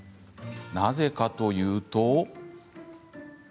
なぜかというと。